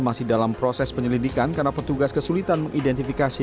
masih dalam proses penyelidikan karena petugas kesulitan mengidentifikasi